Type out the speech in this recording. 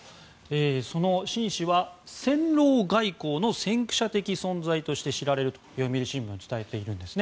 そのシン氏は戦狼外交の先駆者的存在として知られると読売新聞は伝えているんですね。